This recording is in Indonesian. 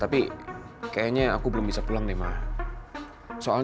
aku baik baik aja mama gak usah khawatir